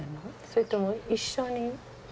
それとも一緒に？